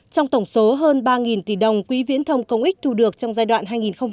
trong tổng số hơn ba tỷ đồng quỹ viễn thông công ích thu được trong giai đoạn hai nghìn một mươi năm hai nghìn một mươi sáu